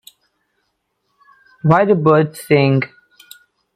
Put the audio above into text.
Why Do Birds Sing?